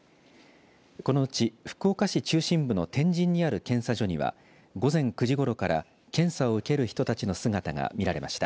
このうち福岡市中心部の天神にある検査所には午前９時ごろから検査を受ける人たちの姿が見られました。